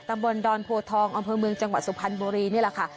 บนดอนโพทองอำเภอเมืองจังหวัดสุพรรณบุรีนี่แหละค่ะ